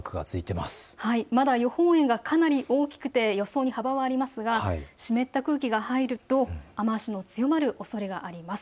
まだ予報円がかなり大きくて予想に幅がありますが湿った空気が入ると雨足の強まるおそれがあります。